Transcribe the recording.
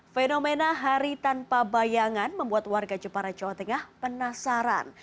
fenomena hari tanpa bayangan membuat warga jepara jawa tengah penasaran